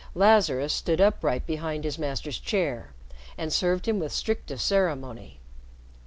Lazarus stood upright behind his master's chair and served him with strictest ceremony.